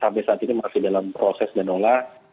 tapi saat ini masih dalam proses menolak